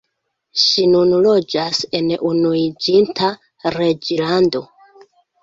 Ŝi nun loĝas en Unuiĝinta Reĝlando.